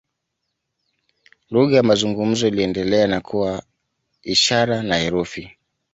Lugha ya mazungumzo iliendelea na kuwa ishara na herufi.